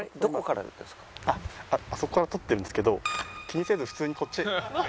あそこから撮ってるんですけど気にせず普通にこっち。